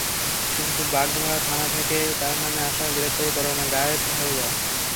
কিন্তু বাগমারা থানা থেকে তাঁর নামে আসা গ্রেপ্তারি পরোয়ানা গায়েব হয়ে যায়।